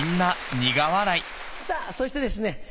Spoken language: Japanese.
さぁそしてですね